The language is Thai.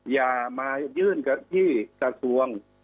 อย่ามายื่นกันที่กระทรวง